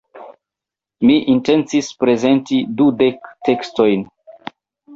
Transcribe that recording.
Mi intencis prezenti dudek tekstojn.